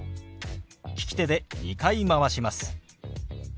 利き手で２回回します。